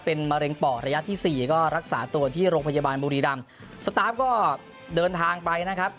เป็นมะเร็งปอดระยะที่สี่ก็รักษาตัวที่โรงพยาบาลบุรีรำสตาฟก็เดินทางไปนะครับ